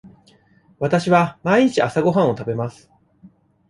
わたしは毎日朝ごはんを食べます。